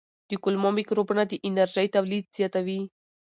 د کولمو مایکروبونه د انرژۍ تولید زیاتوي.